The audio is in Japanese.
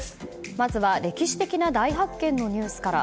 まずは歴史的な大発見のニュースから。